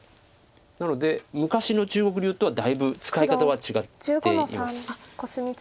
なので昔の中国流とはだいぶ使い方は違っています。